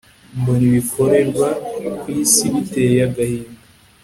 mbona ibikorerwa ku isi biteye agahinda